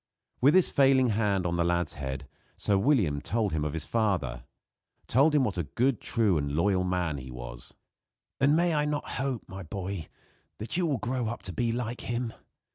With his failing hand on the lad's head, Sir William told him of his father told him what a good, true and loyal man he was. "And may I not hope, my boy, that you will grow up to be like him?